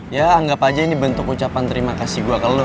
ya anggap aja ini bentuk ucapan terima kasih gue ke lo